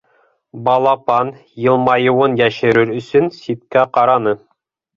Балапан, йылмайыуын йәшерер өсөн, ситкә ҡараны.